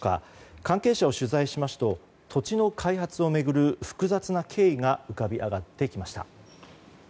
関係者を取材しますと土地の開発を巡る複雑な経緯が浮かび上がってきました。